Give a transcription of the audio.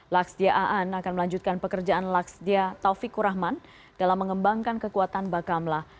laksdia a'an akan melanjutkan pekerjaan laksdia taufik kurahman dalam mengembangkan kekuatan bakamla